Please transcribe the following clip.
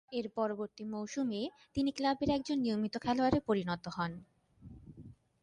এর পরবর্তী মৌসুমে, তিনি ক্লাবের একজন নিয়মিত খেলোয়াড়ে পরিণত হন।